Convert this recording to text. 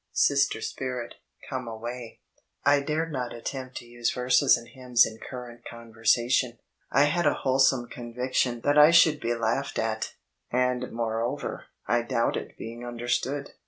Sister spirit, come away." / dared not anempt to use verses and hymns in current conversation. I had a wholesome conviaion that I should be by Google laughed at, and moreover, I doubted being understood.